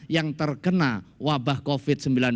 yang terkena wabah covid sembilan belas